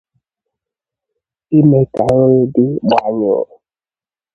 ime ka nri dị gbaanyụụ